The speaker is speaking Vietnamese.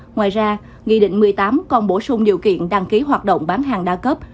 ngoài ra nghị định một mươi tám còn bổ sung điều kiện đăng ký hoạt động bán hàng đa cấp